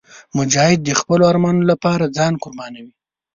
مجاهد د خپلو ارمانونو لپاره ځان قربانوي.